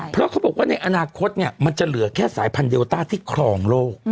เพราะเขาบอกว่าในอนาคตมันจะเหลือแค่สายพันธุเดลต้าที่ครองโรค